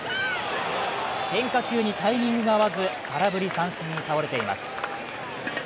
変化球にタイミングが合わず空振り三振に倒れています。